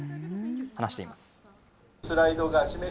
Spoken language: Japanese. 話しています。